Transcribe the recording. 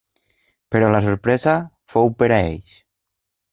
Però la sorpresa fou pera ells